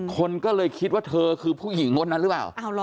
คนก็เลยคิดว่าเธอคือผู้หญิงคนนั้นหรือเปล่า